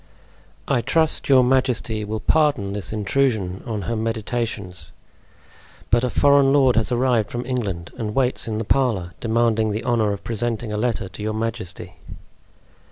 "I trust your majesty will pardon this intrusion on her meditations, but a foreign lord has arrived from England and waits in the parlor, demanding the honor of presenting a letter to your majesty."